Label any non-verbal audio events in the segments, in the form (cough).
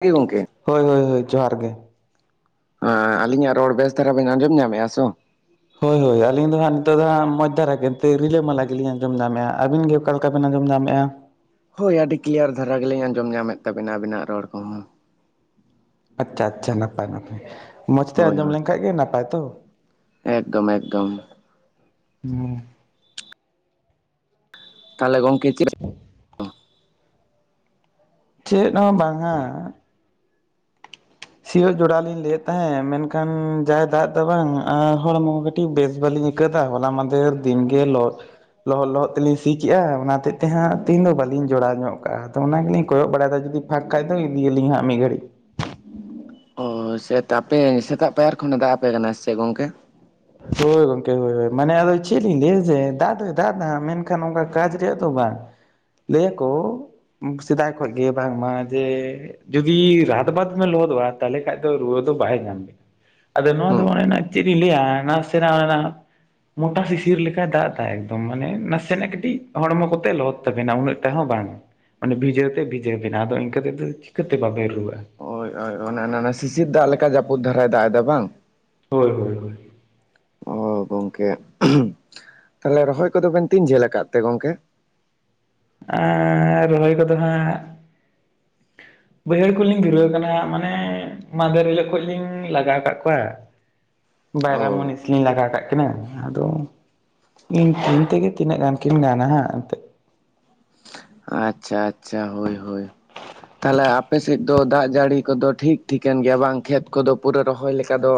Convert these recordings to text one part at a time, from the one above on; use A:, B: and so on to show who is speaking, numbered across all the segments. A: (unintelligible) ᱜᱚᱝᱠᱮ
B: ᱦᱳᱭ ᱦᱳᱭ ᱦᱳᱭ ᱡᱚᱦᱟᱨ ᱜᱮ
A: ᱦᱮᱸ ᱟᱹᱞᱤᱧᱟᱜ ᱨᱚᱲ ᱵᱮᱥ ᱫᱷᱟᱨᱟ ᱵᱤᱱ ᱟᱸᱡᱚᱢ ᱧᱟᱢᱮᱫᱼᱟᱥᱚ
B: ᱦᱳᱭ ᱦᱳᱭ ᱟᱹᱞᱤᱧ ᱫᱚ ᱦᱟᱸᱜ ᱱᱤᱛᱚᱜ ᱫᱚ ᱦᱟᱸᱜ ᱢᱟᱡᱽ ᱫᱷᱟᱨᱟ ᱜᱮ ᱨᱤᱞᱟᱹᱢᱟᱞᱟ ᱜᱮᱞᱤᱧ ᱟᱸᱡᱚᱢ ᱧᱟᱢᱮᱫᱼᱟ ᱟᱹᱵᱤᱱ ᱜᱮ ᱚᱠᱟ ᱞᱮᱠᱟᱵᱮᱱ ᱟᱸᱡᱚᱢ ᱧᱟᱢᱮᱫᱼᱟ
A: ᱦᱳᱭ ᱟᱹᱰᱤ ᱠᱞᱤᱭᱟᱨ ᱫᱷᱟᱨᱟ ᱜᱮᱞᱤᱧ ᱟᱸᱡᱚᱢ ᱧᱟᱢᱮᱫ ᱛᱟᱵᱮᱱᱟ ᱟᱵᱤᱱᱟᱜ ᱨᱚᱲ ᱠᱚᱦᱚᱸ
B: ᱟᱪᱪᱷᱟ ᱟᱪᱪᱷᱟ ᱱᱟᱯᱟᱭ ᱱᱟᱯᱟᱭ ᱢᱚᱸᱡᱽᱛᱮ
A: ᱦᱳᱭ
B: ᱟᱸᱡᱚᱢ
A: ᱦᱳᱭ
B: ᱞᱮᱱᱠᱷᱟ ᱜᱮ ᱱᱟᱯᱟᱭ ᱛᱚ
A: ᱮᱠᱫᱚᱢ ᱮᱠᱫᱚᱢ
B: (unintelligible)
A: ᱛᱟᱦᱚᱞᱮ ᱜᱚᱝᱠᱮ (unintelligible)
B: ᱪᱮᱫ ᱦᱚᱸ ᱵᱟᱝᱼᱟ ᱥᱤᱭᱳᱜ ᱡᱚᱲᱟᱣ ᱞᱤᱧ ᱞᱟᱹᱭᱮᱫ ᱛᱟᱦᱮᱸᱫ ᱢᱮᱱᱠᱷᱟᱱ ᱡᱟᱭ ᱫᱟᱜ ᱫᱚ ᱵᱟᱝ ᱟᱨ ᱦᱚᱲᱢᱚ ᱟᱹᱰᱤ ᱵᱮᱥ ᱵᱟᱹᱞᱤᱧ ᱟᱹᱭᱠᱟᱹᱣᱫᱟ ᱦᱚᱞᱟ ᱢᱟᱫᱷᱮᱨ ᱫᱤᱱᱜᱮ ᱞᱚᱦᱚᱫ ᱞᱚᱦᱚᱜ ᱞᱚᱦᱚᱜ ᱛᱮᱞᱤᱧ ᱥᱤ ᱠᱮᱫᱮᱜᱼᱟ ᱚᱱᱟᱚᱛᱮᱜ ᱛᱮ ᱦᱟᱸᱜ ᱛᱮᱦᱤᱧ ᱫᱚ ᱵᱟᱹᱞᱤᱧ ᱡᱚᱲᱟᱣ ᱧᱚᱜ ᱠᱟᱜᱼᱟ ᱟᱫᱚ ᱚᱱᱟᱱᱟᱜᱞᱤᱧ ᱠᱚᱭᱚᱜ ᱵᱟᱲᱟᱭᱮᱫᱟ ᱡᱩᱫᱤ (unintelligible) ᱫᱚ ᱤᱫᱤ ᱟᱹᱞᱤᱧ ᱦᱟᱸᱜ ᱢᱤᱜ ᱜᱟᱹᱲᱤᱡ
A: ᱚᱻ ᱥᱮ ᱛᱟᱯᱮ ᱥᱮᱛᱟᱜ ᱯᱟᱭᱟᱨ ᱠᱷᱚᱱᱮ ᱫᱟᱜ ᱟᱯᱮ ᱠᱟᱱᱟ ᱥᱮ ᱜᱚᱝᱠᱮ?
B: ᱦᱳᱭ ᱜᱚᱢᱠᱮ ᱦᱳᱭ ᱦᱳᱭ ᱦᱳᱭ ᱢᱟᱱᱮ ᱟᱫᱚ ᱪᱮᱜ ᱞᱤᱧ ᱞᱟᱹᱭ ᱡᱮ ᱫᱟᱜ ᱫᱚᱭ ᱫᱟᱜ ᱫᱟ ᱢᱮᱱᱠᱷᱟᱱ ᱚᱝᱠᱟ ᱠᱟᱡ ᱨᱮᱭᱟᱜ ᱫᱚ ᱵᱟᱝ ᱾ ᱞᱟᱹᱭᱟᱠᱚ ᱥᱮᱫᱟᱭ ᱠᱷᱚᱱ ᱜᱮ ᱵᱟᱝᱢᱟ ᱡᱮ ᱡᱩᱫᱤ ᱨᱟᱛᱵᱟᱫ ᱮᱢ ᱞᱚᱦᱚᱫᱚᱜᱼᱟ ᱛᱟᱦᱚᱞᱮ ᱠᱷᱟᱱ ᱫᱚ ᱨᱩᱣᱟᱹ ᱫᱚ ᱵᱟᱭ ᱧᱟᱢ ᱵᱤᱱᱟ ᱟᱫᱚ ᱱᱟᱣᱟ ᱫᱚ
A: ᱦᱩᱸ
B: ᱵᱱᱟᱱᱟ ᱪᱮᱜ ᱤᱧ ᱞᱟᱹᱭᱟ ᱱᱟ ᱥᱮ ᱢᱚᱴᱟ ᱥᱤᱥᱤᱨ ᱞᱮᱠᱟᱭ ᱫᱟᱜ ᱫᱟᱭ ᱮᱠᱫᱚᱢ ᱢᱟᱱᱮ ᱱᱟᱥᱮᱱᱟᱜ ᱠᱟᱹᱴᱤᱡ ᱦᱚᱲᱢᱚ ᱠᱚᱛᱮ ᱞᱚᱦᱚᱫ ᱛᱟᱵᱮᱱᱟ ᱩᱱᱟᱹᱜ ᱴᱟᱜ ᱦᱚᱸ ᱵᱟᱝ ᱾ ᱢᱟᱱᱮ ᱵᱷᱤᱡᱟᱹᱣ ᱛᱮ ᱵᱷᱤᱡᱟᱹᱣ ᱵᱮᱱᱟ ᱟᱫᱚ ᱤᱱᱠᱟᱹ ᱛᱮᱫᱚ ᱪᱤᱠᱟᱹᱛᱮ ᱵᱟᱵᱮᱱ ᱨᱩᱣᱟᱹᱜᱼᱟ ᱾
A: ᱦᱭ ᱳᱭ ᱚᱱᱮ ᱚᱱᱟ ᱚᱱᱟ ᱥᱤᱥᱤᱨ ᱫᱟᱜ ᱞᱮᱠᱟ ᱡᱟᱹᱯᱩᱫ ᱫᱷᱟᱨᱟᱭ ᱫᱟᱜ ᱮᱫᱟ ᱵᱟᱝ ᱾
B: ᱦᱳᱭ ᱦᱳᱭ ᱦᱳᱭ
A: ᱚ ᱜᱚᱝᱠᱮ ᱛᱟᱦᱚᱞᱮ ᱨᱚᱦᱚᱭ ᱠᱚᱫᱚ ᱵᱤᱱ ᱛᱤᱧ ᱡᱷᱟᱹᱞ ᱟᱠᱟᱫ ᱛᱮ ᱜᱚᱝᱠᱮ?
B: ᱨᱚᱦᱚᱭ ᱠᱚᱫᱚ ᱦᱟᱸᱜ ᱵᱟᱹᱭᱦᱟᱹᱲ ᱠᱷᱩᱞᱤᱧ ᱫᱷᱩᱨᱟᱹᱣ ᱠᱟᱱᱟ ᱢᱟᱱᱮ ᱢᱟᱫᱮᱨ ᱦᱤᱞᱳᱜ ᱠᱷᱚᱡ ᱞᱤᱧ ᱞᱟᱜᱟᱣ ᱠᱟᱜ ᱠᱚᱣᱟ ᱾
A: (inaudible)
B: ᱵᱟᱭᱨᱟ ᱢᱩᱱᱤᱥ ᱛᱷᱤᱱ ᱞᱟᱜᱟ ᱠᱟᱜ ᱠᱤᱱᱟᱹ ᱟᱫᱚ ᱤᱧ ᱛᱤᱱ ᱛᱮᱜᱮ ᱛᱤᱱᱟᱹᱜ ᱜᱟᱱ ᱠᱤᱱ ᱜᱟᱱᱟ ᱦᱟᱸᱜ ᱮᱱᱛᱮᱫ ᱾
A: ᱟᱪᱪᱷᱟ ᱟᱪᱪᱷᱟ ᱦᱳᱭ ᱦᱳᱭ ᱛᱟᱦᱞᱮ ᱟᱯᱮ ᱥᱮᱫ ᱫᱚ ᱫᱟᱜ ᱡᱟᱹᱲᱤ ᱠᱚᱫᱚ ᱴᱷᱤᱠ ᱴᱷᱤᱠᱟᱹᱱ ᱜᱮᱭᱟ ᱵᱟᱝ ᱠᱷᱮᱛ ᱠᱚᱫᱚ ᱯᱩᱨᱟᱹ ᱨᱚᱦᱚᱭ ᱞᱮᱠᱟ ᱫᱚ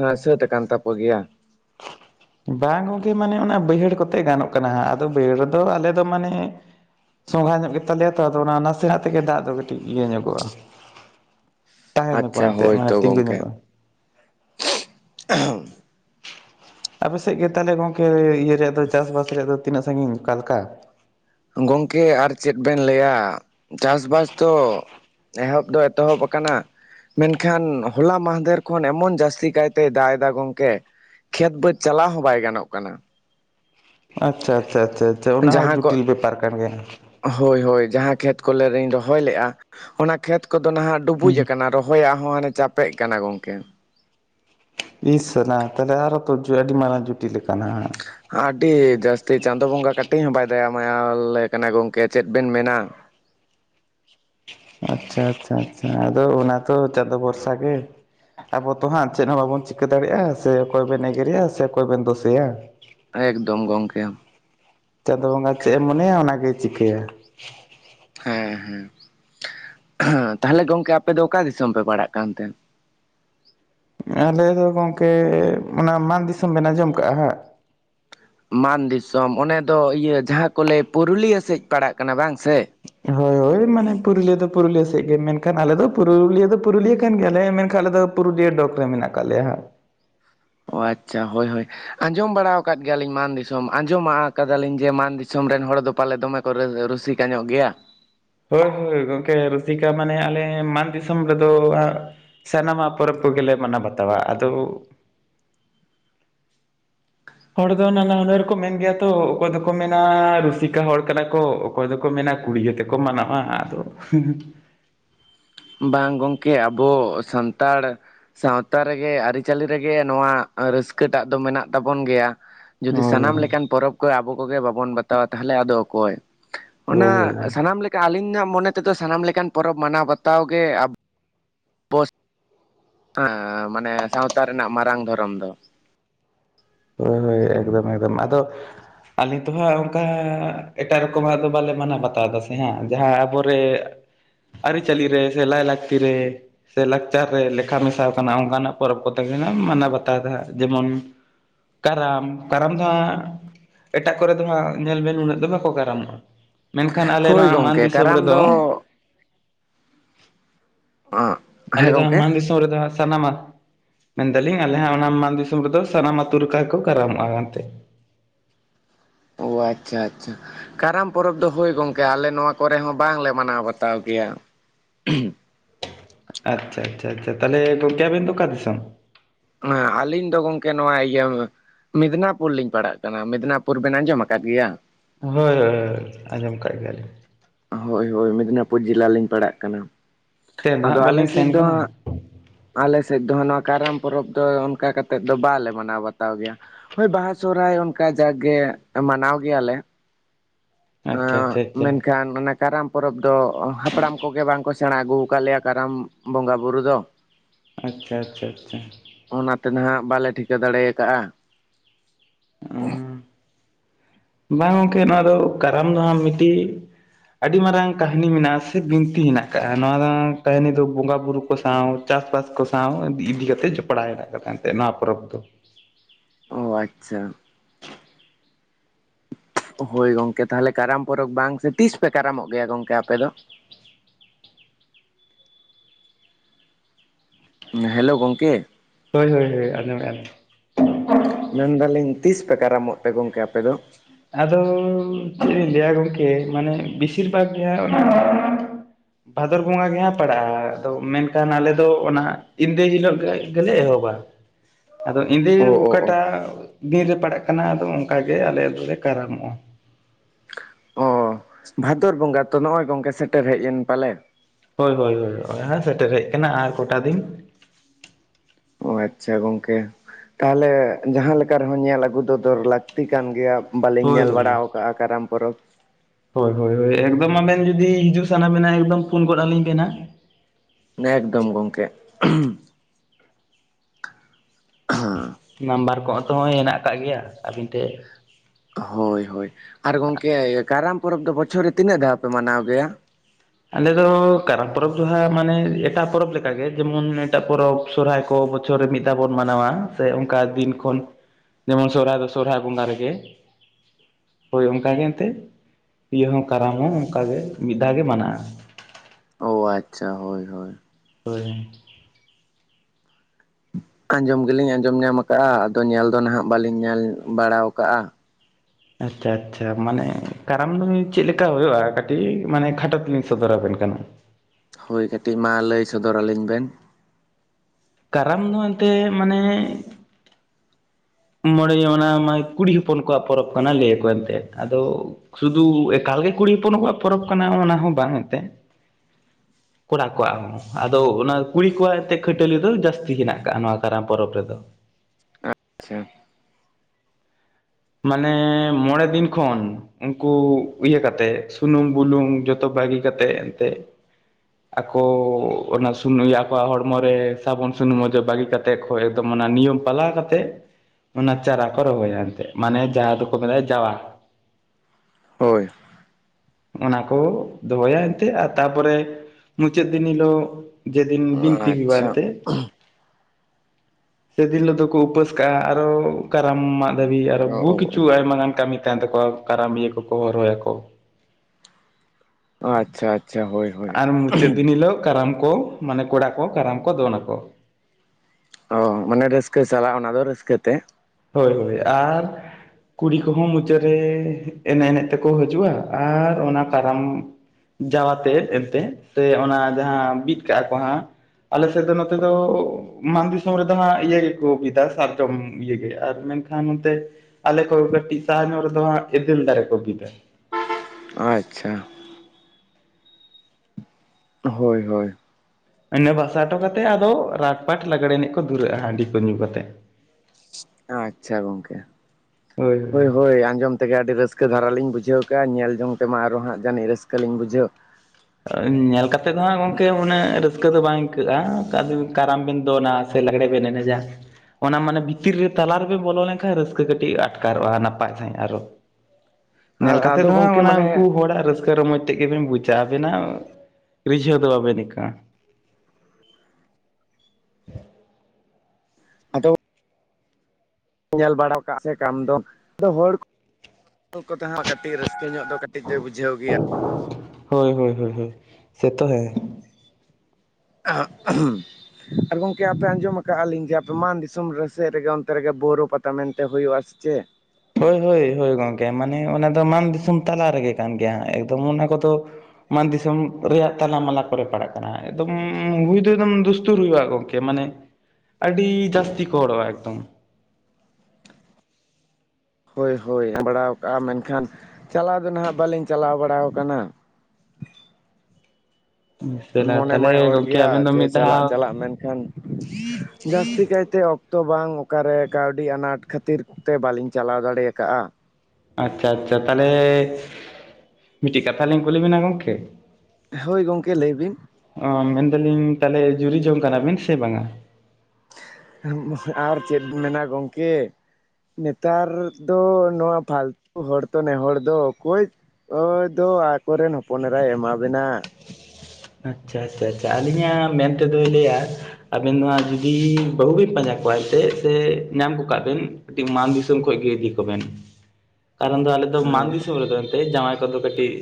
A: ᱦᱟᱸ ᱥᱟᱹᱛ ᱟᱠᱟᱱ ᱛᱟᱯᱚ ᱜᱮᱭᱟ ᱾ (inaudible)
B: ᱵᱟᱝ ᱜᱚᱝᱠᱮ ᱢᱟᱱᱮ ᱚᱱᱟ ᱵᱟᱹᱭᱦᱟᱹᱲ ᱠᱚᱛᱮ ᱜᱟᱱᱚᱜ ᱠᱟᱱᱟ ᱦᱟᱸᱜ ᱟᱫᱚ ᱵᱟᱹᱭᱟᱲ ᱨᱮᱫᱚ ᱟᱞᱮ ᱫᱚ ᱢᱟᱱᱮ ᱥᱚᱸᱜᱷᱟ ᱧᱚᱜ ᱜᱮ ᱛᱟᱞᱮᱭᱟ ᱛᱚ ᱟᱫᱚ ᱚᱱᱟ ᱱᱟᱥᱮᱱᱟᱜ ᱛᱮᱜᱮ ᱫᱟᱜ ᱫᱚ ᱠᱟᱹᱴᱤᱡ ᱤᱭᱟᱹ ᱧᱚᱜᱚᱜᱼᱟ ᱛᱟᱦᱮᱸ ᱧᱚᱜᱚᱜᱼᱟ
A: ᱟᱪᱪᱷᱟ
B: ᱮᱱᱛᱮᱫ ᱢᱟᱱᱮ
A: ᱦᱳᱭᱛᱚ
B: ᱛᱤᱸᱜᱩ
A: ᱜᱚᱝᱠᱮ ᱾
B: ᱧᱚᱜᱚᱜᱼᱟ ᱟᱯᱮ ᱥᱮᱫ ᱜᱮ ᱛᱟᱞᱦᱮ ᱜᱚᱝᱠᱮ ᱤᱭᱟᱹ ᱨᱮᱭᱟᱜ ᱫᱚ ᱪᱟᱥᱵᱟᱥ ᱨᱮᱭᱟᱜ ᱫᱚ ᱛᱤᱱᱟᱹᱜ ᱥᱟᱺᱜᱤᱧ ᱚᱠᱟ ᱞᱮᱠᱟ?
A: ᱜᱚᱝᱠᱮ ᱟᱨ ᱪᱮᱜ ᱵᱮᱱ ᱞᱟᱹᱭᱟ ᱪᱟᱥᱵᱟᱥ ᱛᱚ ᱮᱦᱚᱵ ᱫᱚ ᱮᱛᱚᱦᱚᱵ ᱟᱠᱟᱱᱟ ᱢᱮᱱᱠᱷᱟᱱ ᱦᱚᱞᱟ ᱢᱟᱫᱷᱮᱨ ᱠᱷᱚᱱ ᱮᱢᱚᱱ ᱡᱟᱹᱥᱛᱤ ᱠᱟᱭᱛᱮ ᱫᱟᱜ ᱮᱫᱟ ᱜᱚᱝᱠᱮ ᱠᱷᱮᱛ ᱵᱟᱹᱫᱽ ᱪᱟᱞᱟᱣ ᱦᱚᱸ ᱵᱟᱭ ᱜᱟᱱᱚᱜ ᱠᱟᱱᱟ ᱾
B: ᱟᱪᱪᱷᱟ ᱟᱪᱪᱷᱟ ᱟᱪᱪᱟᱷᱚ ᱚᱱᱟ ᱦᱚᱸ
A: ᱡᱟᱦᱟᱸ ᱠᱚ
B: ᱡᱚᱴᱤᱞ ᱵᱮᱯᱟᱨ ᱠᱟᱱ ᱜᱮᱭᱟ ᱾
A: ᱦᱳᱭ ᱦᱳᱭ ᱡᱟᱦᱟᱸ ᱠᱷᱮᱛ ᱠᱚᱞᱮ ᱨᱤᱧ ᱨᱚᱦᱚᱭ ᱞᱮᱜᱼᱟ ᱚᱱᱟ ᱠᱷᱮᱛ ᱠᱚᱫᱚ ᱱᱟᱦᱟᱜ ᱰᱩᱵᱩᱡ
B: ᱦᱩᱸ
A: ᱟᱠᱟᱱᱟ ᱨᱚᱦᱚᱭ ᱾ ᱦᱚᱦᱚᱭᱟᱜ ᱦᱚᱸ ᱦᱟᱱᱮ ᱪᱟᱯᱮᱜ ᱠᱟᱱᱟ ᱜᱚᱝᱠᱮ ᱾
B: ᱤᱥ ᱥᱟᱞᱟ ᱛᱟᱦᱞᱮ ᱟᱨ ᱦᱚᱛᱚ ᱟᱹᱰᱤ ᱢᱟᱨᱟᱝ ᱡᱩᱴᱤᱞ ᱠᱟᱱᱟ ᱦᱟᱸᱜ ᱾
A: ᱟᱹᱰᱤ ᱡᱟᱹᱥᱛᱤ ᱪᱟᱸᱫᱳ ᱵᱚᱸᱜᱟ ᱠᱟᱹᱴᱤᱡ ᱦᱚᱸ ᱵᱟᱭ ᱫᱟᱭᱟ ᱢᱟᱭᱟᱞᱮ ᱠᱟᱱᱟ ᱜᱚᱢᱠᱮ ᱪᱮᱫ ᱵᱮᱱ ᱢᱮᱱᱟ ᱾
B: ᱟᱪᱪᱷᱟ ᱟᱪᱪᱷᱟ ᱟᱪᱪᱷᱟ ᱟᱫᱚ ᱚᱱᱟ ᱛᱚ ᱪᱟᱸᱫᱚ ᱵᱷᱚᱨᱥᱟ ᱜᱮ ᱾ ᱟᱵᱚ ᱛᱚ ᱦᱟᱸᱜ ᱪᱮᱜ ᱦᱚᱸ ᱵᱟᱵᱚᱱ ᱪᱤᱠᱟᱹ ᱫᱟᱲᱮᱭᱟᱜᱼᱟ ᱥᱮ ᱚᱠᱚᱭ ᱵᱮᱱ ᱮᱜᱮᱨᱮᱭᱟ ᱥᱮ ᱚᱠᱚᱭ ᱵᱮᱱ ᱫᱳᱥᱮᱭᱟ
A: ᱮᱠᱫᱚᱢ ᱜᱚᱝᱠᱮ
B: ᱪᱟᱸᱫᱳ ᱵᱚᱸᱜᱟ ᱪᱮᱜ ᱮᱢ ᱢᱚᱱᱮᱭᱟ ᱚᱱᱟᱜᱮᱭ ᱪᱤᱠᱟᱹᱭᱟ ᱾
A: ᱦᱮᱸ ᱦᱮᱸ ᱛᱟᱦᱚᱞᱮ ᱜᱚᱝᱠᱮ ᱟᱯᱮ ᱫᱚ ᱚᱠᱟ ᱫᱤᱥᱚᱢ ᱯᱮ ᱯᱟᱲᱟᱜ ᱠᱟᱱ ᱛᱮ?
B: ᱟᱞᱮ ᱫᱚ ᱜᱚᱝᱠᱮ ᱚᱱᱟ ᱢᱟᱱ ᱫᱤᱥᱚᱢ ᱵᱮᱱ ᱟᱸᱡᱚᱢ ᱠᱟᱜᱼᱟ ᱦᱟᱸᱜ ᱾
A: ᱢᱟᱱ ᱫᱤᱥᱚᱢ ᱚᱱᱮ ᱫᱚ ᱤᱭᱟᱹ ᱡᱟᱦᱟᱸ ᱠᱚ ᱞᱮᱭᱟ ᱯᱩᱨᱩᱞᱤᱭᱟᱹ ᱥᱮᱫ ᱯᱟᱲᱟᱜ ᱠᱟᱱᱟ ᱵᱟᱝ ᱥᱮ?
B: ᱦᱳᱭ ᱢᱟᱱᱮ ᱯᱩᱨᱩᱞᱤᱭᱟᱹ ᱫᱚ ᱯᱩᱨᱩᱞᱤᱭᱟᱹ ᱥᱮᱫ ᱢᱮᱱᱠᱷᱟᱱ ᱟᱞᱮ ᱫᱚ ᱯᱩᱨᱩᱞᱤᱭᱟᱹ ᱫᱚ ᱯᱩᱨᱩᱞᱤᱭᱟᱹ ᱠᱟᱱ ᱜᱮᱭᱟᱞᱮ ᱢᱮᱱᱠᱷᱟᱱ ᱟᱞᱮ ᱫᱚ ᱯᱩᱨᱩᱞᱤᱭᱟᱹ ᱰᱚᱠ ᱨᱮ ᱢᱮᱱᱟᱜ ᱠᱟᱜ ᱞᱮᱭᱟ ᱦᱟᱸᱜ ᱾
A: ᱚ ᱟᱪᱪᱷᱟ ᱦᱳᱭ ᱦᱳᱭ ᱟᱸᱡᱚᱢ ᱵᱟᱲᱟ ᱟᱠᱟᱫ ᱜᱮᱭᱟᱞᱤᱧ ᱢᱟᱱ ᱫᱤᱥᱚᱢ ᱟᱸᱡᱚᱢ ᱟᱠᱟᱫᱟᱞᱤᱧ ᱡᱮ ᱢᱟᱱ ᱫᱤᱥᱚᱢ ᱨᱮᱱ ᱦᱚᱲ ᱫᱚ ᱯᱟᱞᱮ ᱫᱚᱢᱮ ᱠᱚᱨᱮ ᱨᱩᱥᱤᱠᱟ ᱧᱚᱜ ᱜᱮᱭᱟ ᱾
B: ᱦᱳᱭ ᱦᱳᱭ ᱜᱚᱢᱠᱮ ᱨᱩᱥᱤᱠᱟ ᱢᱟᱱᱮ ᱟᱞᱮ ᱢᱟᱱ ᱫᱤᱥᱚᱢ ᱨᱮᱫᱚ ᱥᱟᱱᱟᱢᱟ ᱯᱚᱨᱯ ᱠᱚ ᱜᱮᱞᱮ ᱢᱟᱱᱟ ᱵᱟᱛᱟᱣᱟ ᱟᱫᱚ
A: (inaudible)
B: ᱦᱚᱲ ᱫᱚ ᱱᱟᱱᱟ ᱦᱩᱱᱟᱹᱨ ᱠᱚ ᱢᱮᱱ ᱜᱮᱭᱟ ᱛᱚ ᱚᱠᱚᱭ ᱫᱚᱠᱚ ᱢᱮᱱᱟ ᱨᱩᱥᱤᱠᱟ ᱦᱚᱲ ᱠᱟᱱᱟ ᱠᱚ ᱚᱠᱚᱭ ᱫᱚᱠᱚ ᱢᱮᱱᱟ ᱠᱩᱲᱤ ᱛᱮᱠᱚ ᱢᱟᱱᱟᱣᱟ ᱟᱫᱚ ᱾
A: ᱵᱟᱝ ᱜᱚᱢᱠᱮ ᱟᱵᱚ ᱥᱟᱱᱛᱟᱲ ᱥᱟᱶᱛᱟ ᱨᱮᱜᱮ ᱟᱹᱨᱤᱪᱟᱹᱞᱤ ᱨᱮᱜᱮ ᱱᱚᱣᱟ ᱨᱟᱹᱥᱠᱟᱹ ᱴᱟᱜ ᱫᱚ ᱢᱮᱱᱟᱜ ᱛᱟᱵᱚᱱ ᱜᱮᱭᱟ ᱡᱩᱫᱤ
B: ᱦᱳᱭ ᱦᱳᱭ
A: ᱥᱟᱱᱟᱢ ᱞᱮᱠᱟᱱ ᱯᱚᱨᱚᱵᱽ ᱠᱚ ᱟᱵᱚ ᱠᱚᱜᱮ ᱵᱟᱵᱚᱱ ᱵᱟᱛᱟᱣᱟ ᱛᱟᱦᱚᱞᱮ ᱟᱫᱚ ᱚᱠᱚᱭ
B: ᱦᱳᱭ
A: ᱚᱱᱟ ᱥᱟᱱᱟᱢ ᱞᱮᱠᱟ ᱟᱹᱞᱤᱧᱟᱜ ᱢᱚᱱᱮ ᱛᱮᱫᱚ ᱥᱟᱱᱟᱢ ᱞᱮᱠᱟᱱ ᱯᱚᱨᱚᱵᱽ ᱢᱟᱱᱟᱣ ᱵᱟᱛᱟ (unintelligible) ᱦᱮᱸ ᱢᱟᱱᱮ ᱥᱟᱶᱛᱟ ᱨᱮᱱᱟᱜ ᱢᱟᱨᱟᱝ ᱫᱷᱚᱨᱚᱢ ᱫᱚ
B: ᱦᱳᱭ ᱦᱳᱭ ᱮᱠᱫᱚᱢ ᱮᱠᱫᱚᱢ ᱟᱫᱚ ᱟᱞᱮ ᱛᱚ ᱦᱟᱸᱜ ᱚᱱᱠᱟ ᱮᱴᱟᱜ ᱨᱚᱠᱚᱢᱟᱜ ᱫᱚ ᱵᱟᱞᱮ ᱢᱟᱱᱟᱣ ᱵᱟᱛᱟᱣ ᱫᱟ ᱥᱮ ᱦᱟᱸᱜ ᱡᱟᱦᱟᱸ ᱟᱵᱚ ᱨᱮ ᱟᱨᱤ ᱪᱟᱞᱤ ᱨᱮ ᱥᱮ ᱞᱟᱭ ᱞᱟᱠᱛᱤ ᱨᱮ ᱥᱮ ᱞᱟᱠᱪᱟᱨ ᱨᱮ ᱞᱮᱠᱷᱟ ᱢᱮᱥᱟ ᱟᱠᱟᱱᱟ ᱚᱱᱠᱟᱱᱟᱜ ᱯᱚᱨᱚᱵᱽ ᱠᱚᱛᱮ ᱜᱮ ᱢᱟᱱᱟᱣ ᱵᱟᱛᱟᱣ ᱠᱟᱱᱟ ᱡᱮᱢᱚᱱ ᱠᱟᱨᱟᱢ ᱠᱟᱨᱟᱢ ᱫᱚ ᱦᱟᱸᱜ ᱮᱴᱟᱜ ᱠᱚᱨᱮ ᱫᱚ ᱦᱟᱸᱜ ᱧᱮᱞ ᱵᱮᱱ ᱩᱱᱟᱹᱜ ᱫᱚ ᱵᱟᱠᱚ ᱠᱟᱨᱟᱢᱚᱜᱼᱟ ᱢᱮᱱᱠᱷᱟᱱ ᱟᱞᱮ
A: ᱦᱳᱭ
B: ᱱᱚᱣᱟ ᱢᱟᱱ
A: ᱜᱚᱝᱠᱮ
B: ᱫᱤᱥᱚᱢ
A: ᱠᱟᱨᱟᱢ
B: ᱨᱮᱫᱚ
A: ᱫᱚ ᱚ
B: ᱟᱞ ᱫᱚ ᱢᱟᱱ ᱫᱤᱥᱚᱢ ᱨᱮ ᱫᱚ ᱥᱟᱱᱟᱢᱟᱜ ᱢᱮᱱᱫᱟᱞᱤᱧ ᱟᱞᱮ ᱦᱟᱸᱜ ᱚᱱᱟ ᱢᱟᱱ ᱫᱤᱥᱚᱢ ᱨᱮᱫᱚ ᱥᱟᱱᱟᱢ ᱟᱹᱛᱩ ᱞᱮᱠᱟ ᱜᱮᱠᱚ ᱠᱟᱨᱟᱢᱚᱜᱼᱟ ᱢᱮᱱᱛᱮ
A: ᱚ ᱟᱪᱪᱷᱟ ᱟᱪᱪᱷᱟ ᱠᱟᱨᱟᱢ ᱯᱚᱨᱚᱵᱽ ᱫᱚ ᱦᱳᱭ ᱜᱚᱝᱠᱮ ᱟᱞᱮ ᱱᱚᱣᱟ ᱠᱚᱨᱮ ᱦᱚᱸ ᱵᱟᱝᱞᱮ ᱢᱟᱱᱟᱣ ᱵᱟᱛᱟᱣ ᱜᱮᱭᱟ
B: ᱟᱪᱪᱷᱟ ᱟᱪᱪᱷᱟ ᱟᱪᱪᱷᱟ ᱛᱟᱦᱚᱞᱮ ᱜᱚᱢᱠᱮ ᱟᱵᱮᱱ ᱫᱚ ᱚᱠᱟ ᱫᱤᱥᱚᱢ
A: ᱦᱮᱸ ᱟᱹᱞᱤᱧ ᱫᱚ ᱜᱚᱢᱠᱮ ᱱᱚᱣᱟ ᱤᱭᱟᱹ ᱢᱮᱫᱽᱱᱟᱯᱩᱨ ᱞᱤᱧ ᱯᱟᱲᱟᱜ ᱠᱟᱱᱟ ᱢᱮᱫᱽᱱᱟᱯᱩᱨ ᱵᱮᱱ ᱟᱸᱡᱚᱢ ᱟᱠᱟᱫ ᱜᱮᱭᱟ
B: ᱦᱳᱭ ᱦᱳᱭ ᱦᱳᱭ ᱟᱸᱡᱚᱢ ᱠᱟᱜ ᱜᱮᱭᱟᱞᱤᱧ
A: ᱦᱳᱭ ᱦᱳᱭ ᱢᱮᱫᱽᱱᱟᱯᱩᱨ ᱡᱮᱞᱟ ᱞᱤᱧ ᱯᱟᱲᱟᱜ ᱠᱟᱱᱟ
B: ᱥᱮᱱ ᱫᱚ
A: ᱟᱫᱚ
B: ᱦᱟᱸᱜ
A: ᱟᱞᱮ
B: ᱵᱟᱹᱞᱤᱧ
A: ᱥᱮᱫ
B: ᱥᱮᱱ
A: ᱫᱚ
B: ᱠᱟᱱᱟ
A: ᱦᱟᱸᱜ ᱟᱞᱮ ᱥᱮᱫ ᱫᱚ ᱱᱚᱣᱟ ᱠᱟᱨᱟᱢ ᱯᱚᱨᱚᱵᱽ ᱫᱚ ᱚᱱᱠᱟ ᱠᱟᱛᱮᱫ ᱫᱚ ᱵᱟᱞᱮ ᱢᱟᱱᱟᱣ ᱵᱟᱛᱟᱣ ᱜᱮᱭᱟ ᱦᱳᱭ ᱵᱟᱦᱟ ᱥᱚᱦᱨᱟᱭ ᱚᱱᱠᱟ ᱡᱟᱜᱠᱮ ᱢᱟᱱᱟᱣ ᱜᱮᱭᱟᱞᱮ
B: ᱟᱪᱪᱷᱟ ᱟᱪᱪᱷᱟ ᱟᱪᱪᱷᱟ
A: ᱠᱷᱟᱱ ᱚᱱᱟ ᱠᱟᱨᱟᱢ ᱯᱚᱨᱚᱵᱽ ᱫᱚ ᱦᱟᱯᱲᱟᱢ ᱠᱚᱜᱮ ᱵᱟᱝ ᱠᱚ ᱥᱮᱬᱟ ᱟᱹᱜᱩ ᱟᱠᱟᱫ ᱞᱮᱭᱟ ᱠᱟᱨᱟᱢ ᱵᱚᱸᱜᱟ ᱵᱩᱨᱩ ᱫᱚ
B: ᱟᱪᱪᱷᱟ ᱟᱪᱪᱷᱟ ᱟᱪᱪᱷᱟ
A: ᱚᱱᱟ ᱛᱮ ᱱᱟᱦᱟᱜ ᱵᱟᱞᱮ ᱴᱷᱤᱠᱟᱹ ᱫᱟᱲᱮ ᱠᱟᱜᱼᱟ
B: ᱵᱟᱝ ᱜᱚᱢᱠᱮ ᱱᱚᱣᱟ ᱫᱚ ᱠᱟᱨᱟᱢ ᱫᱚ ᱢᱤᱫᱴᱤᱡ ᱟᱹᱰᱤ ᱢᱟᱨᱟᱝ ᱠᱟᱦᱱᱤ ᱢᱮᱱᱟᱜᱼᱟ ᱥᱮ ᱵᱤᱱᱛᱤ ᱦᱮᱱᱟᱜ ᱟᱠᱟᱜᱼᱟ ᱱᱚᱣᱟ ᱠᱟᱦᱱᱤ ᱫᱚ ᱵᱚᱸᱜᱟ ᱵᱩᱨᱩ ᱠᱚ ᱥᱟᱶ ᱪᱟᱥ ᱵᱟᱥ ᱠᱚ ᱥᱟᱶ ᱤᱫᱤ ᱠᱟᱛᱮᱫ ᱡᱚᱯᱲᱟᱣ ᱦᱮᱱᱟᱜ ᱠᱚ ᱛᱟᱦᱮᱸᱫ ᱱᱚᱣᱟ ᱯᱚᱨᱚᱵᱽ ᱫᱚ
A: ᱚ ᱟᱪᱪᱷᱟ ᱦᱳᱭ ᱜᱚᱝᱠᱮ ᱛᱟᱦᱚᱞᱮ ᱠᱟᱨᱟᱢ ᱯᱚᱨᱚᱵᱽ ᱵᱟᱝ ᱥᱮ ᱛᱤᱥ ᱯᱮ ᱠᱟᱨᱟᱢᱚᱜ ᱜᱮᱭᱟ ᱜᱚᱝᱠᱮ ᱟᱯᱮ ᱫᱚ ᱦᱮᱞᱳ ᱜᱚᱝᱠᱮ
B: ᱦᱳᱭ ᱦᱳᱭ ᱦᱳᱭ ᱟᱸᱡᱚᱢᱮᱜᱼᱟᱞᱤᱧ
A: ᱢᱮᱱᱫᱟᱞᱤᱧ ᱛᱤᱥ ᱯᱮ ᱠᱟᱨᱟᱢᱚᱜ ᱛᱮ ᱜᱚᱢᱠᱮ ᱟᱯᱮ ᱫᱚ
B: ᱟᱫᱚ ᱪᱮᱫ ᱤᱧ ᱞᱟᱹᱭᱟ ᱜᱚᱢᱠᱮ ᱢᱟᱱᱮ ᱵᱮᱥᱤᱨ ᱵᱷᱟᱜᱽ ᱜᱮᱭᱟ ᱚᱱᱟ ᱵᱷᱟᱫᱚᱨ ᱵᱚᱸᱜᱟ ᱜᱮ ᱦᱟᱸᱜ ᱯᱟᱲᱟᱜᱼᱟ ᱟᱫᱚ ᱢᱮᱱᱠᱷᱟᱱ ᱟᱞᱮ ᱫᱚ ᱚᱱᱟ ᱮᱹᱱᱫᱮ ᱦᱤᱞᱳᱜ ᱜᱮ ᱜᱮᱞᱮ ᱦᱵᱟ ᱟᱫᱚ ᱫᱤ
A: ᱚ ᱚ ᱚ
B: ᱚᱠᱟᱴᱟᱜ ᱫᱤᱱ ᱨᱮ ᱯᱟᱲᱟᱜ ᱠᱟᱱᱟ ᱟᱫᱚ ᱚᱱᱠᱟ ᱜᱮ ᱟᱞᱮ ᱫᱚᱞᱮ ᱠᱟᱨᱟᱢᱚᱜ
A: ᱚ ᱵᱷᱟᱫᱚᱨ ᱵᱚᱸᱜᱟ ᱛᱚ ᱱᱚᱜᱼᱚᱭ ᱜᱚᱝᱠᱮ ᱥᱮᱴᱮᱨ ᱦᱮᱡ ᱮᱱ ᱯᱟᱞᱮ
B: ᱦᱳᱭ ᱦᱳᱭ ᱦᱳᱭ ᱱᱚᱜ-ᱚᱭ ᱦᱟᱸᱜ ᱥᱮᱴᱮᱨ ᱦᱮᱡ ᱟᱠᱟᱱᱟ ᱟᱨ ᱠᱚᱴᱟ ᱫᱤᱱ
A: ᱚ ᱟᱪᱪᱷᱟ ᱜᱚᱝᱠᱮ ᱛᱟᱦᱚᱞᱮ ᱡᱟᱦᱟᱸ ᱞᱮᱠᱟ ᱨᱮᱦᱚᱸ ᱧᱮᱞ ᱟᱹᱜᱩ ᱫᱚᱨ ᱞᱟᱹᱠᱛᱤ ᱠᱟᱱ ᱜᱮᱭᱟ ᱵᱟᱹᱞᱤᱧ
B: ᱦᱳᱭ
A: ᱧᱮᱞ ᱵᱟᱲᱟ
B: ᱦᱳᱭ
A: ᱟᱠᱟᱟᱜᱼᱟ ᱠᱟᱨᱟᱢ ᱯᱚᱨᱚᱵᱽ
B: ᱦᱳᱭ ᱦᱳᱭ ᱦᱳᱭ ᱮᱠᱫᱚᱢ ᱟᱵᱮᱱ ᱡᱩᱫᱤ ᱦᱤᱡᱩᱜ ᱥᱟᱱᱟ ᱵᱤᱱᱟ ᱮᱠᱫᱚᱢ ᱯᱷᱳᱱ ᱜᱚᱫ ᱟᱹᱞᱤᱧ ᱵᱤᱱ ᱦᱟᱸᱜ
A: ᱮᱠᱫᱚᱢ ᱜᱚᱢᱠᱮ (unintelligible)
B: ᱱᱟᱢᱵᱟᱨ ᱠᱚᱸᱜ ᱛᱚ ᱦᱚᱸᱭ ᱦᱮᱱᱟᱜ ᱟᱠᱟᱫ ᱜᱮᱭᱟ ᱟᱵᱤᱱ ᱴᱷᱮᱡ
A: ᱦᱳᱭ ᱦᱳᱭ ᱟᱨ ᱜᱚᱢᱠᱮ ᱠᱟᱨᱟᱢ ᱯᱚᱨᱚᱵᱽ ᱫᱚ ᱵᱚᱪᱷᱚᱨ ᱨᱮ ᱛᱤᱱᱟᱹᱜ ᱫᱷᱟᱣ ᱯᱮ ᱢᱟᱱᱟᱣ ᱜᱮᱭᱟ?
B: ᱟᱞᱮ ᱫᱚ ᱠᱟᱨᱟᱢ ᱯᱚᱨᱚᱵᱽ ᱫᱚ ᱦᱟᱸᱜ ᱢᱟᱱᱮ ᱮᱴᱟᱜ ᱯᱚᱨᱚᱵᱽ ᱞᱮᱠᱟᱜᱮ ᱡᱮᱢᱚᱱ ᱮᱴᱟᱜ ᱯᱚᱨᱚᱵᱽ ᱥᱚᱨᱦᱟᱭ ᱠᱚ, ᱵᱚᱪᱷᱚᱨ ᱨᱮ ᱢᱤᱫ ᱫᱷᱟᱣ ᱵᱚᱱ ᱢᱟᱱᱟᱣᱟ ᱥᱮ ᱚᱱᱠᱟ ᱫᱤᱱ ᱠᱷᱚᱱ, ᱡᱮᱢᱚᱱ ᱥᱚᱦᱨᱟᱭ ᱫᱚ ᱥᱚᱦᱨᱟᱭ ᱵᱚᱸᱜᱟ ᱨᱮᱜᱮ, ᱦᱳᱭ ᱚᱱᱠᱟ ᱜᱮ ᱮᱱᱛᱮᱫ ᱤᱭᱟᱹ ᱦᱚᱸ ᱠᱟᱨᱟᱢ ᱦᱚᱸ ᱚᱱᱠᱟᱜᱮ ᱢᱤᱫ ᱫᱷᱟᱣ ᱜᱮ ᱢᱟᱱᱟᱜᱼᱟ᱾
A: ᱳ ᱟᱪᱪᱷᱟ ᱦᱳᱭ ᱦᱳᱭ᱾
B: ᱦᱳᱭ
A: ᱟᱸᱡᱚᱢ ᱜᱮᱞᱤᱧ ᱟᱸᱡᱚᱢ ᱧᱟᱢᱟ ᱟᱠᱟᱜᱼᱟ ᱟᱫᱚ ᱧᱮᱞ ᱫᱚ ᱱᱟᱦᱟᱜ ᱵᱟᱞᱤᱧ ᱧᱮᱞ ᱵᱟᱲᱟᱣ ᱠᱟᱜᱼᱟ᱾
B: ᱟᱪᱪᱷᱟ ᱟᱪᱪᱷᱟ ᱢᱟᱱᱮ ᱠᱟᱨᱟᱢ ᱫᱚ ᱪᱮᱜ ᱞᱮᱠᱟ ᱦᱩᱭᱩᱜᱼᱟ ᱠᱟᱹᱴᱤᱡ ᱢᱟᱱᱮ ᱠᱷᱟᱴᱚ ᱛᱮᱞᱤᱧ ᱥᱚᱫᱚᱨ ᱟᱵᱮᱱ ᱠᱟᱱᱟ᱾
A: ᱦᱳᱭ ᱠᱟᱹᱴᱤᱡ ᱢᱟ ᱞᱟᱹᱭ ᱥᱚᱫᱚᱨᱞᱤᱧ ᱵᱮᱱ᱾
B: ᱠᱟᱨᱟᱢ ᱫᱚ ᱮᱱᱛᱮᱜ ᱢᱟᱱᱮ ᱢᱚᱬᱮ ᱚᱱᱟ ᱠᱩᱲᱤ ᱦᱚᱯᱚᱱ ᱠᱚᱣᱟᱜ ᱯᱚᱨᱚᱵᱽ ᱠᱟᱱᱟ ᱞᱟᱹᱭᱟᱠᱚ ᱮᱱᱛᱮ ᱟᱫᱚ᱾ ᱥᱩᱫᱩ ᱮᱠᱟᱞ ᱜᱮ ᱠᱩᱲᱤ ᱦᱚᱯᱚᱱ ᱠᱚᱣᱟᱜ ᱯᱚᱨᱚᱵᱽ ᱠᱟᱱᱟ ᱚᱱᱟ ᱦᱚᱸ ᱵᱟᱝ ᱮᱱᱛᱮᱜ
A: (inaudible)
B: ᱠᱚᱲᱟ ᱠᱚᱣᱟᱜ ᱦᱚᱸ ᱟᱫᱚ ᱚᱱᱟ ᱠᱩᱲᱤ ᱠᱚᱣᱟᱜ ᱮᱱᱛᱜ ᱠᱷᱟᱹᱴᱟᱹᱞᱤ ᱫᱚ ᱡᱟᱹᱥᱛᱤ ᱦᱮᱱᱟᱜ ᱠᱟᱜᱼᱟ ᱱᱚᱣᱟ ᱠᱟᱨᱟᱢ ᱯᱚᱨᱚᱵᱽ ᱨᱮᱫᱚ,
A: ᱟᱪᱪᱷᱟ,
B: ᱢᱟᱱᱮ ᱢᱚᱬᱮ ᱫᱤᱱ ᱠᱷᱚᱱ ᱩᱱᱠᱩ ᱤᱭᱟᱹ ᱠᱟᱛᱮᱜ ᱥᱩᱱᱩᱢ ᱵᱩᱞᱩᱝ ᱡᱚᱛᱚ ᱵᱟᱹᱜᱤ ᱠᱟᱛᱮᱫ ᱮᱱᱛᱮ,
A: (inaudible)
B: ᱟᱠᱚ ᱚᱱᱟ ᱥᱩᱱᱩᱢ ᱟᱠᱚᱣᱟᱜ ᱦᱚᱲᱢᱚᱨ ᱨᱮ ᱥᱟᱵᱚᱱ ᱥᱩᱱᱩᱢ ᱢᱚᱡᱮ ᱵᱟᱹᱜᱤ ᱠᱟᱛᱮᱜ ᱦᱳᱭ ᱮᱠᱫᱚᱢ ᱚᱱᱟ ᱱᱤᱭᱚᱢ ᱯᱟᱞᱟ ᱠᱟᱛᱮᱜ ᱚᱱᱟ ᱪᱟᱨᱟ ᱠᱚ ᱨᱚᱦᱚᱭᱟ ᱮᱱᱛᱮᱫ᱾ ᱢᱟᱱᱮ ᱡᱟᱦᱟᱸ ᱫᱚᱠᱚ ᱢᱮᱛᱟᱜᱼᱟ ᱡᱟᱣᱟ,
A: ᱦᱳᱭ,
B: ᱚᱱᱟ ᱠᱚ ᱫᱚᱦᱚᱭᱟ ᱮᱱᱛᱮᱜ ᱟᱨ ᱛᱟᱨᱯᱚᱨᱮ, ᱢᱩᱪᱟᱹᱜ ᱫᱤᱱ ᱦᱤᱞᱳᱜ ᱡᱮᱫᱤᱱ ᱵᱤᱱᱛᱤ ᱦᱩᱭᱩᱜᱼᱟ
A: ᱟᱪᱪᱷᱟ
B: ᱮᱱᱛᱮ, ᱥᱮ ᱫᱤᱱ ᱦᱤᱞᱳᱜ ᱫᱚ ᱠᱚ ᱩᱯᱟᱹᱥ ᱠᱟᱜᱼᱟ ᱟᱨᱦᱚᱸ ᱠᱟᱨᱟᱢ ᱢᱟᱜ ᱫᱷᱟᱹᱵᱤᱡ, ᱵᱩᱦᱩ ᱠᱤᱪᱷᱩ
A: ᱚ
B: ᱟᱭᱢᱟ ᱜᱟᱱ ᱠᱟᱹᱢᱤ ᱛᱟᱦᱮᱱ ᱛᱟᱠᱚᱣᱟ ᱠᱟᱨᱟᱢ ᱤᱭᱟᱹ ᱠᱚᱠᱚ ᱦᱚᱨᱦᱚᱭᱟᱠᱚ,
A: ᱚ ᱟᱪᱪᱷᱟ ᱟᱪᱪᱷᱟ, ᱦᱳᱭ ᱦᱳᱭ
B: ᱟᱨ ᱢᱩᱪᱟᱹᱜ ᱫᱤᱱ ᱦᱤᱞᱳᱜ ᱠᱟᱨᱟᱢ ᱠᱚ ᱢᱟᱱᱮ ᱠᱚᱲᱟ ᱠᱚ ᱠᱟᱨᱟᱢ ᱠᱚ ᱫᱚᱱ ᱟᱠᱚ,
A: ᱚ ᱢᱟᱱᱮ ᱨᱟᱹᱥᱠᱟᱹ ᱥᱟᱞᱟᱜ ᱚᱱᱟ ᱫᱚ ᱨᱟᱹᱥᱠᱟᱹ ᱛᱮ,
B: ᱦᱳᱭ ᱦᱳᱭ ᱟᱨ, ᱠᱩᱲᱤ ᱠᱚᱦᱚᱸ ᱢᱩᱪᱟᱹᱫ ᱨᱮ ᱮᱱᱮᱡ ᱮᱱᱮᱡ ᱛᱮᱠᱚ ᱦᱤᱡᱩᱜᱼᱟ ᱟᱨ ᱚᱱᱟ ᱠᱟᱨᱟᱢ ᱡᱟᱣᱟᱛᱮ ᱮᱱᱛᱮᱜ ᱥᱮ ᱚᱱᱟ ᱡᱟᱦᱟᱸ ᱵᱤᱫ ᱠᱟᱜᱼᱟ ᱠᱚ ᱦᱟᱸᱜ, ᱟᱞᱮᱥᱮᱫ ᱫᱚ ᱱᱚᱛᱮ ᱫᱚ ᱢᱟᱱ ᱫᱤᱥᱚᱢ ᱨᱮᱫᱚ ᱦᱟᱸᱜ ᱤᱭᱟᱹ ᱜᱮᱠᱚ ᱵᱤᱫᱟ ᱥᱟᱨᱡᱚᱢ ᱤᱭᱟᱹ ᱜᱮ, ᱟᱨ ᱢᱮᱱᱠᱷᱟᱱ ᱱᱚᱛᱮ ᱟᱞᱮ ᱠᱷᱚᱡ ᱦᱚᱸ ᱠᱟᱹᱴᱤᱡ ᱥᱟᱦᱟ ᱧᱚᱜ ᱨᱮᱫᱚ ᱦᱟᱸᱜ ᱮᱫᱮᱞ ᱫᱟᱨᱮ ᱠᱚ ᱵᱤᱫᱟ,
A: ᱟᱪᱪᱷᱟ, ᱦᱳᱭ ᱦᱳᱭ,
B: ᱤᱱᱟᱹ ᱵᱟᱷᱟᱥᱟᱣ ᱴᱚ ᱠᱟᱛᱮᱜ ᱟᱫᱚ ᱨᱟᱴ ᱯᱟᱴ ᱞᱟᱜᱽᱲᱮ ᱮᱱᱮᱡ ᱠᱚ ᱫᱷᱩᱨᱟᱹᱜᱼᱟ ᱦᱟᱺᱰᱤ ᱠᱚ ᱧᱩ ᱠᱟᱛᱮᱫ,
A: ᱟᱪᱪᱷᱟ ᱜᱚᱝᱠᱮ, ᱦᱳᱭ᱾ ᱦᱳᱭ ᱟᱸᱡᱚᱢ ᱛᱮᱜᱮ ᱟᱹᱰᱤ ᱨᱟᱹᱥᱠᱟᱹ ᱫᱷᱟᱨᱟ ᱞᱤᱧᱩᱡᱷᱟᱹᱣ ᱠᱮᱜᱼᱟ ᱧᱮᱞ ᱡᱚᱝ ᱛᱮᱢᱟ ᱟᱨᱚ ᱦᱟᱸᱜ ᱡᱟᱹᱱᱤᱡ ᱨᱟᱹᱥᱠᱟᱹᱞᱤᱧ ᱵᱩᱡᱷᱟᱹᱣ। ᱟᱨ
B: ᱧᱮᱞ ᱠᱟᱛᱮᱜ ᱫᱚ ᱦᱟᱸᱜ ᱜᱚᱝᱠᱮ ᱩᱱᱟᱹᱜ ᱨᱟᱹᱥᱠᱟᱹ। ᱠᱟᱹ ᱫᱚ ᱵᱟᱝ ᱟᱹᱭᱠᱟᱹᱜᱼᱟ ᱠᱟᱨᱟᱢ ᱵᱮᱱ ᱫᱚᱱᱟ ᱥᱮ ᱞᱟᱜᱽᱲᱮ ᱵᱮᱱ ᱮᱱᱮᱡᱟ। ᱚᱱᱟ ᱢᱟᱱᱮ ᱵᱷᱤᱛᱤᱨ ᱨᱮ ᱛᱟᱞᱟ ᱨᱮᱵᱮ ᱵᱚᱞᱚ ᱞᱮᱱᱠᱷᱟᱱ ᱨᱟᱹᱥᱠᱟᱹ ᱠᱟᱹᱴᱤᱡ ᱟᱴᱠᱟᱨᱚᱜᱼᱟ ᱱᱟᱯᱟᱭ ᱥᱟᱺᱦᱤᱡ ᱟᱨᱚ।
A: (inaudible)
B: ᱧᱮᱞ ᱠᱟᱛᱮᱫ
A: ᱟᱫᱚ
B: ᱫᱚ ᱦᱟᱜ
A: ᱜᱚᱝᱠᱮ
B: ᱚᱱᱟ
A: ᱢᱟᱱᱮ
B: ᱩᱱᱠᱩ ᱦᱚᱲᱟᱜ ᱨᱟᱹᱥᱠᱟᱹ। ᱨᱟᱹᱥᱠᱟᱹ ᱨᱚᱢᱚᱡᱽ ᱛᱮ ᱜᱮᱵᱤᱱ ᱵᱩᱡᱷ ᱟᱵᱮᱱᱟᱜ ᱨᱤᱡᱷᱟᱹᱣ ᱫᱚ ᱵᱟᱵᱮᱱ ᱟᱹᱭᱠᱟᱹᱼᱟ।
A: ᱟᱫᱚ, ᱧᱮᱞ ᱵᱟᱲᱟ ᱠᱟᱜ ᱥᱮ ᱠᱟᱢ ᱫᱚ ᱟᱫᱚ ᱦᱚᱲ। ᱠᱚᱛᱮᱦᱚᱸ ᱠᱟᱹᱴᱤᱡ ᱨᱟᱹᱥᱠᱟᱹ ᱧᱚᱜ ᱫᱚ ᱠᱟᱹᱴᱤᱡ ᱫᱚᱭ ᱵᱩᱡᱷᱟᱹᱣ ᱜᱮᱭᱟ।
B: ᱦᱳᱭ ᱦᱳᱭ ᱦᱳᱭ ᱦᱳᱭ ᱥᱮᱛᱚ ᱦᱮᱸ।
A: ᱟᱨ ᱜᱚᱢᱠᱮ ᱟᱯᱮ ᱟᱸᱡᱚᱢ ᱟᱠᱟᱜᱼᱟ ᱞᱤᱧ ᱡᱮ ᱟᱯᱮ ᱢᱟᱱ ᱫᱤᱥᱚᱢ ᱨᱮ ᱥᱮᱫ ᱨᱮᱜᱮ ᱚᱱᱛᱮ ᱨᱮᱜᱮ ᱵᱳᱨᱳ ᱯᱟᱛᱟ ᱢᱮᱱᱛᱮ ᱦᱩᱭᱩᱜᱼᱟ ᱥᱮ ᱪᱮᱫ।
B: ᱦᱳᱭ ᱦᱳᱭ ᱦᱳᱭ ᱜᱚᱢᱠᱮ ᱢᱟᱱᱮ ᱚᱱᱟ ᱫᱚ ᱢᱟᱱ ᱫᱤᱥᱚᱢ ᱛᱟᱞᱟ ᱨᱮᱜᱮ ᱠᱟᱱ ᱜᱮᱭᱟ ᱮᱠᱫᱚᱢ ᱚᱱᱟ ᱠᱚᱫᱚ। ᱢᱟᱱ ᱫᱤᱥᱚᱢ ᱨᱮᱭᱟᱜ ᱛᱟᱞᱟ ᱢᱟᱞᱟ ᱠᱚᱨᱮ ᱯᱟᱲᱟᱜ ᱠᱟᱱᱟ ᱮᱠᱫᱚᱢ ᱦᱩᱭ ᱫᱚ ᱮᱠᱫᱚᱢ ᱫᱩᱥᱛᱩᱨ ᱦᱩᱭᱩᱜᱼᱟ ᱜᱚᱢᱠᱮ। ᱛᱮ ᱢᱟᱱᱮ ᱟᱹᱰᱤ ᱡᱟᱹᱥᱛᱤ ᱠᱚ ᱦᱚᱲᱚᱜᱼᱟ ᱮᱠᱫᱚᱢ।
A: ᱦᱳᱭ ᱦᱳᱭ ᱮᱢ ᱵᱟᱲᱟ ᱠᱟᱜᱼᱟ ᱢᱮᱱᱠᱷᱟᱱ ᱪᱟᱞᱟᱣ ᱫᱚ ᱱᱟᱦᱟᱜ ᱵᱟᱹᱞᱤᱧ ᱪᱟᱞᱟᱣ ᱵᱟᱲᱟ ᱟᱠᱟᱱᱟ।
B: ᱫᱮᱞᱟ
A: ᱢᱚᱱᱮ
B: ᱛᱟᱦᱚᱞᱮ
A: ᱢᱟᱭ ᱚᱨ
B: ᱜᱚᱝᱠᱮ
A: ᱜᱮᱭᱟ
B: ᱟᱵᱮᱱ ᱫᱚ
A: ᱡᱮ
B: ᱢᱤᱫ
A: ᱪᱟᱞᱟᱜ
B: ᱫᱷᱟᱣ
A: ᱪᱟᱞᱟᱜ ᱢᱮᱱᱠᱷᱟᱱ। ᱡᱟᱹᱥᱛᱤ ᱠᱟᱭᱛᱮ ᱛᱚ ᱵᱟᱝ ᱚᱠᱟᱨᱮ ᱠᱟᱹᱣᱰᱤ ᱟᱱᱟᱴ ᱠᱷᱟᱹᱛᱤᱨ ᱛᱮ ᱵᱟᱞᱤᱧ ᱪᱟᱞᱟᱣ ᱫᱟᱲᱮ ᱟᱠᱟᱜᱼᱟ।
B: ᱟᱪᱪᱷᱟ ᱟᱪᱪᱷᱟ ᱛᱟᱦᱚᱞᱮ ᱢᱤᱫᱴᱤᱡ ᱠᱟᱛᱷᱟ ᱞᱤᱧ ᱠᱩᱞᱤ ᱵᱮᱱᱟ ᱜᱚᱢᱠᱮ?
A: ᱦᱳᱭ ᱜᱚᱢᱠᱮ ᱞᱟᱹᱭ ᱵᱤᱱ
B: ᱚ ᱢᱮᱱᱫᱟᱞᱤᱧ ᱛᱟᱦᱚᱞᱮ ᱡᱩᱨᱤ ᱡᱚᱝ ᱠᱟᱱᱟᱵᱤᱱ ᱥᱮ ᱵᱟᱝᱟ।
A: ᱟᱨ ᱪᱮᱫ ᱢᱮᱱᱟ ᱜᱚᱢᱠᱮ ᱱᱮᱛᱟᱨ ᱫᱚ ᱱᱚᱣᱟ ᱯᱷᱟᱞᱛᱩ ᱦᱚᱲ ᱛᱚ ᱱᱮᱦᱚᱲ ᱫᱚ ᱚᱠᱚᱭ। ᱚᱳᱭ ᱫᱚ ᱟᱠᱚᱨᱮᱱ ᱦᱚᱯᱚᱱ ᱮᱨᱟᱭ ᱮᱢᱟᱵᱮᱱᱟ
B: ᱟᱪᱪᱷᱟ ᱟᱪᱪᱷᱟ ᱟᱹᱞᱤᱧᱟᱜ ᱢᱮᱱ ᱛᱮᱫᱚᱭ ᱞᱟᱹᱭᱟ। ᱟᱵᱮᱱ ᱱᱚᱣᱟ ᱡᱩᱫᱤ ᱵᱟᱹᱦᱩ ᱵᱮᱱ ᱯᱟᱸᱡᱟ ᱠᱚᱣᱟ ᱮᱱᱛᱮᱫ ᱥᱮ ᱧᱟᱢ ᱠᱚ ᱠᱟᱜ ᱵᱮᱱ ᱠᱟᱹᱴᱤᱡ ᱢᱟᱱ ᱫᱤᱥᱚᱢ ᱠᱷᱚᱱ ᱜᱮ ᱤᱫᱤ ᱠᱚᱵᱮᱱ ᱠᱟᱨᱚᱱ ᱫᱚ ᱟᱞᱮ ᱟ ᱢᱟᱱ ᱫᱤᱥᱚᱢ ᱨᱮᱫᱚ ᱮᱱᱛᱮ ᱡᱟᱶᱟᱭ ᱠᱚᱫᱚ ᱠᱟᱹᱴᱤᱡ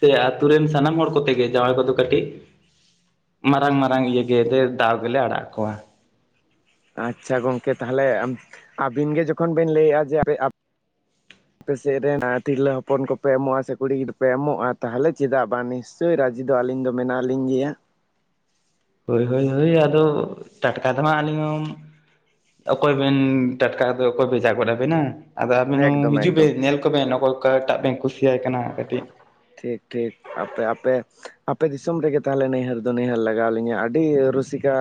B: ᱥᱮ ᱟᱛᱳ ᱨᱮᱱ ᱥᱟᱱᱟᱢ ᱦᱚᱲ ᱠᱚᱛᱮ ᱜᱮ ᱡᱟᱶᱟᱭ ᱠᱚᱫᱚ ᱠᱟᱹᱴᱤᱡ ᱢᱟᱨᱟᱝ ᱢᱟᱨᱟᱝ ᱤᱭᱟᱹ ᱜᱮ ᱫᱟᱣ ᱜᱮᱞᱮ ᱟᱲᱟᱜ ᱠᱚᱣᱟ।
A: ᱟᱪᱪᱷᱟ ᱜᱚᱢᱠᱮ ᱛᱟᱦᱞᱮ ᱟᱹᱵᱤᱱ ᱜᱮ ᱡᱚᱠᱷᱚᱱ ᱵᱤᱱ ᱞᱟᱹᱭᱮᱜᱼᱟ ᱡᱮ ᱟᱯᱮ ᱥᱮᱫ ᱨᱮᱱ ᱛᱤᱨᱞᱟᱹ ᱦᱚᱯᱚᱱ ᱠᱚᱯᱮ ᱮᱢᱚᱜᱼᱟ ᱥᱮ ᱠᱩᱲᱤ ᱜᱤᱫᱽᱨᱟᱹ ᱯᱮ ᱮᱢᱚᱜᱼᱟ ᱛᱟᱦᱚᱞᱮ ᱪᱮᱫᱟᱜ ᱵᱟᱝ ᱱᱤᱥ ᱪᱳᱭ ᱨᱟᱡᱤ ᱫᱚ ᱟᱹᱞᱤᱧ ᱫᱚ ᱢᱮᱱᱟᱜ ᱞᱤᱧ ᱜᱮᱭᱟ।
B: ᱦᱳᱭ ᱦᱳᱭ ᱦᱳᱭ ᱟᱫᱚ ᱴᱟᱴᱠᱟ ᱫᱚ ᱦᱟᱜ ᱟᱹᱞᱤᱧ ᱦᱚᱸ ᱠᱚᱭ ᱵᱤᱱ ᱴᱟᱴᱠᱟ ᱚᱠᱚᱭ ᱵᱷᱮᱡᱟ ᱜᱚᱱ ᱟᱵᱤᱱᱟ। ᱟᱫᱚ ᱟᱵᱮᱱ ᱦᱚᱸ
A: ᱮᱠᱫᱚᱢ
B: ᱦᱤᱡᱩᱜ
A: ᱮᱠᱫᱚᱢ
B: ᱵᱮᱱ ᱧᱮᱞ ᱠᱚᱵᱮᱱ ᱚᱠᱚᱭ ᱚᱠᱟᱴᱟᱜ ᱵᱮᱱ ᱠᱩᱥᱤᱭᱟᱭ ᱠᱟᱱᱟ ᱠᱟᱹᱴᱤᱡ।
A: ᱴᱷᱤᱠ ᱴᱷᱤᱠ ᱟᱯᱮ ᱟᱯᱮ ᱟᱯᱮ ᱫᱤᱥᱚᱢ ᱨᱮᱜᱮ ᱛᱟᱦᱚᱞᱮ ᱱᱟᱹᱭᱦᱟᱨ ᱫᱚ ᱱᱟ. ᱭᱦᱟᱨ ᱞᱟᱜᱟᱣ ᱞᱤᱧᱟᱹ ᱟᱹᱰᱤ ᱨᱩᱥᱤᱠᱟ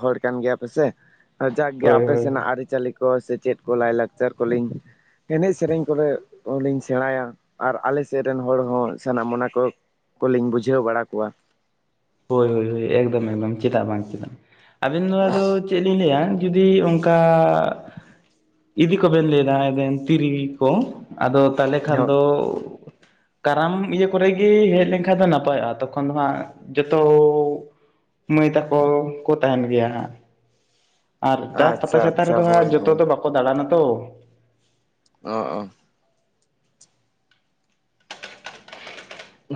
A: ᱦᱚᱲ ᱠᱟᱱ ᱜᱮᱭᱟ ᱯᱮᱥᱮ। ᱡᱟᱠᱮ
B: ᱦᱳᱭ
A: ᱟᱯᱮ
B: ᱦᱳᱭ
A: ᱥᱮᱱᱟᱜ ᱟᱹᱨᱤᱪᱟᱹᱞᱤ ᱠᱚ ᱠᱚ ᱥᱮᱪᱮᱫ ᱠᱚ ᱞᱟᱭᱞᱟᱠᱪᱟᱨ ᱠᱚᱞᱤᱧ ᱮᱱᱮᱡ ᱥᱮᱨᱮᱧ ᱠᱚᱨᱮ ᱞᱤᱧ ᱥᱮᱬᱟᱭᱟ। ᱟᱨ ᱟᱞᱮ ᱥᱮᱫ ᱨᱮᱱ ᱦᱚᱲ ᱦᱚᱸ ᱥᱟᱱᱟᱢ ᱚᱱᱟ ᱠᱚ ᱠᱚᱞᱤᱧ ᱵᱩᱡᱷᱟᱹᱣ ᱵᱟᱲᱟ ᱠᱚᱣᱟ।
B: ᱦᱳᱭ ᱦᱳᱭ ᱮᱠᱫᱚᱢ ᱮᱠᱫᱚᱢ ᱪᱮᱫᱟᱜ ᱵᱟᱝ ᱪᱮᱫᱟᱜ ᱟᱵᱤᱱ ᱫᱚ ᱟᱫᱚ ᱪᱮᱫ ᱞᱤᱧ ᱞᱟᱹᱭᱟ। ᱡᱩᱫᱤ ᱚᱱᱠᱟ ᱤᱫᱤ ᱠᱚᱵᱮᱱ ᱞᱟᱹᱭ ᱮᱫᱟ ᱮᱵᱮᱱ ᱛᱤᱨᱤ ᱠᱚ ᱟᱫᱚ ᱛᱟᱦᱚᱞᱮ ᱠᱷᱟᱱ ᱫᱚ ᱠᱟᱨᱟᱢ ᱤᱭᱟᱹ ᱠᱚᱨᱮ ᱜᱮ ᱦᱮᱡ ᱞᱮᱱᱠᱷᱟᱱ ᱫᱚ ᱱᱟᱯᱟᱭᱚᱜᱼᱟ ᱛᱚᱠᱷᱚᱱ ᱫᱚ ᱦᱟᱸᱜ ᱡᱚᱛᱚ ᱢᱟᱹᱭ ᱛᱟᱠᱚ ᱠᱚ ᱛᱟᱦᱮᱸᱱ ᱜᱮᱭᱟ ᱦᱟᱸᱜ ᱟᱨ (unintelligible) ᱯᱟᱛᱟ
A: ᱟᱪᱪᱷᱟ
B: ᱪᱷᱟᱛᱟ
A: ᱟᱪᱪᱷᱟ
B: ᱨᱮᱫᱚ ᱦᱟᱜ
A: ᱦᱳᱭ
B: ᱡᱚᱛᱚ
A: ᱦᱳᱭ
B: ᱫᱚ ᱵᱟᱠᱚ ᱫᱟᱬᱟᱱ ᱟᱛᱚ
A: ᱚ ᱚ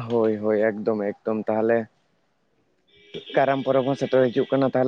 A: ᱦᱳᱭ ᱦᱳᱭ ᱮᱠᱫᱚᱢ ᱮᱠᱫᱚᱢ ᱛᱟᱦᱞᱮ ᱠᱟᱨᱟᱢ ᱯᱚᱨᱚᱵᱽ ᱦᱚᱸ ᱥᱮᱴᱮᱨ ᱦᱤᱡᱩᱜ ᱠᱟᱱᱟ (unintelligible)